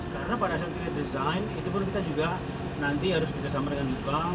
karena pada saat kita desain itu pun kita juga nanti harus bersama dengan dislitbank